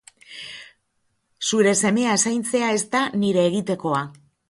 Zure semea zaintzea ez da nire egitekoa.